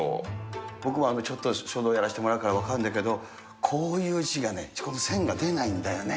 僕もちょっと書道やらせてもらうから分かるんだけど、こういう字がね、ちょうど線がね、出ないんだよね。